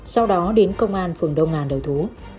sau đó đến công an phường đông ngàn đầu thú